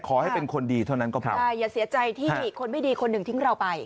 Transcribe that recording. ขอให้เป็นคนดีเท่านั้นก็พอใช่อย่าเสียใจที่คนไม่ดีคนหนึ่งทิ้งเราไป